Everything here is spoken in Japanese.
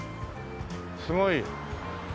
すごい。